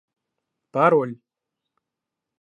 Пароль